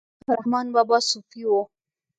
رحمان بابا صوفي و